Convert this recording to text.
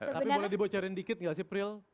tapi boleh dibocorin dikit gak sih prill